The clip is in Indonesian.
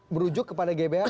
merujuk kepada gbhn